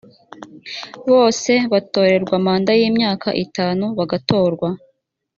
bose batorerwa manda y imyaka itanu bagatorwa